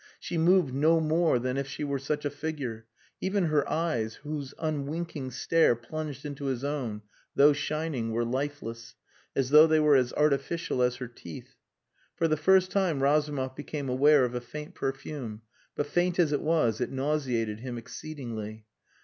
She moved no more than if she were such a figure; even her eyes, whose unwinking stare plunged into his own, though shining, were lifeless, as though they were as artificial as her teeth. For the first time Razumov became aware of a faint perfume, but faint as it was it nauseated him exceedingly.